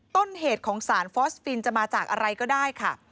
ต้นเหตุของสารฟอสปินจะมาจากอะไรก็ได้ค่ะ